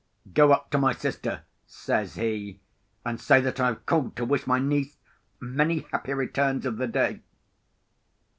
"Go up to my sister," says he; "and say that I have called to wish my niece many happy returns of the day."